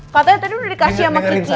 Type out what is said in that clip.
katanya tadi udah dikasih sama kici